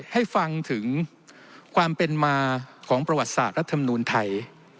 ให้ฟังถึงความเป็นมาของประวัติศาสตร์รัฐมนูลไทย